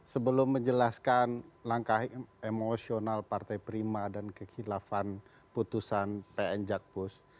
sebelum menjelaskan langkah emosional partai prima dan kekilafan putusan pn jakpus